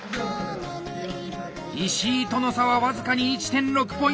石井との差は僅かに１．６ポイント！